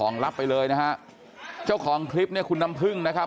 รับไปเลยนะฮะเจ้าของคลิปเนี่ยคุณน้ำพึ่งนะครับ